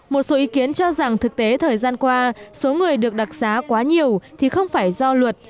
một số ý kiến cho rằng thực tế thời gian qua số người được đặc xá quá nhiều thì không phải do luật